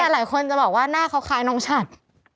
หลายคนจะบอกว่าหน้าเขาคล้ายน้องชัด